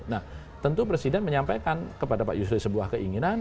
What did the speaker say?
nah tentu presiden menyampaikan kepada pak yusril sebuah keinginan